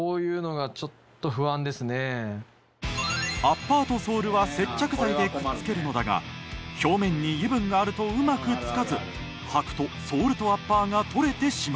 アッパーとソールは接着剤でくっつけるのだが表面に油分があるとうまくつかず履くとソールとアッパーが取れてしまう。